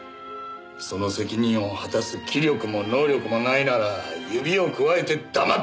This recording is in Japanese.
その責任を果たす気力も能力もないなら指をくわえて黙って見てろ！